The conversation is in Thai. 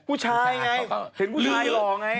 ผู้ชายไงเห็นผู้ชายหล่อไง